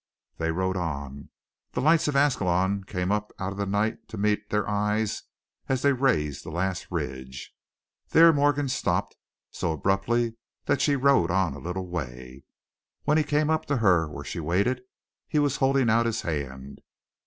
They rode on. The lights of Ascalon came up out of the night to meet their eyes as they raised the last ridge. There Morgan stopped, so abruptly that she rode on a little way. When he came up to her where she waited, he was holding out his hand.